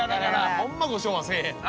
ホンマご唱和せえへんな。